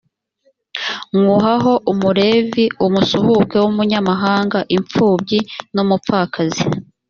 nywuhaho umulevi, umusuhuke w’umunyamahanga, imfubyi n’umupfakazi,